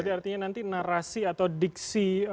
artinya nanti narasi atau diksi